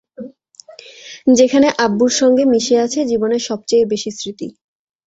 যেখানে আব্বুর সঙ্গে মিশে আছে জীবনের সবচেয়ে বেশি স্মৃতি।